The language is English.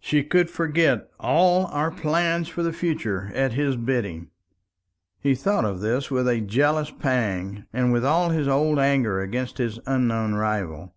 "She could forget all our plans for the future at his bidding." He thought of this with a jealous pang, and with all his old anger against his unknown rival.